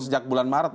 sejak bulan maret pak